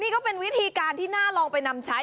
นี่ก็เป็นวิธีการที่น่าลองไปนำใช้